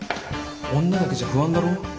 女だけじゃ不安だろう。